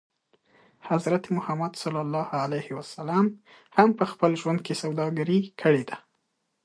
حضرت محمد ص هم په خپل ژوند کې سوداګري کړې ده.